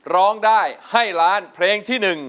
ร้องได้ให้ล้านเพลงที่๑